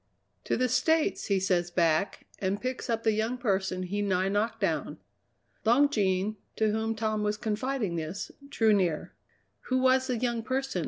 'To the States,' he says back, and picks up the young person he nigh knocked down." Long Jean, to whom Tom was confiding this, drew near. "Who was the young person?"